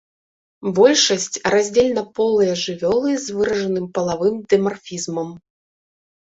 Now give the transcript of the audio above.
Большасць раздзельнаполыя жывёлы з выражаным палавым дымарфізмам.